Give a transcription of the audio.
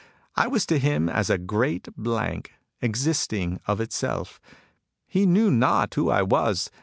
I was to him as a great blank, existing of itself. He knew not who I was.